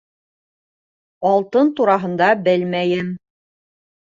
— Алтын тураһында белмәйем...